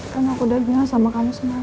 kan aku udah gimana sama kamu semalam